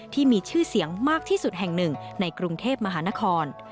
ที่มีชื่อเสียงมากที่สุดแห่งหนึ่งในกรุงเทพมหานคร